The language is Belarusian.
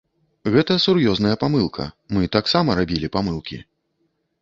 Гэта сур'ёзная памылка, мы таксама рабілі памылкі.